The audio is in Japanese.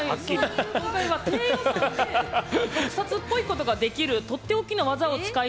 今回は低予算で特撮っぽいことができるとっておきの技を使います。